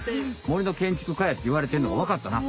「森の建築家」やっていわれてんのがわかったな。